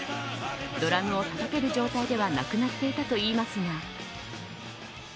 ドラムをたたける状態ではなくなっていたといいますが。